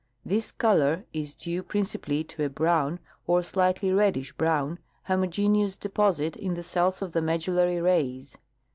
This color is due principall}' to a brown, or slightly reddish brown, homogeneous deposit in the cells of the medullary rays.